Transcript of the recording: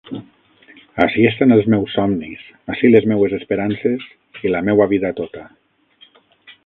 Ací estan el meus somnis, ací les meues esperances i la meua vida tota.